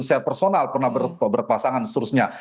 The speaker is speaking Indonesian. secara personal pernah berpasangan seterusnya